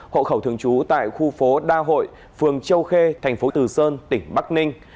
hộ khẩu thường trú tại khu phố đa hội phường châu khê tp từ sơn tỉnh bắc ninh